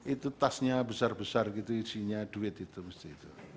itu tasnya besar besar gitu isinya duit itu mesti itu